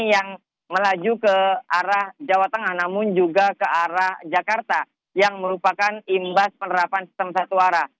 yang melaju ke arah jawa tengah namun juga ke arah jakarta yang merupakan imbas penerapan sistem satu arah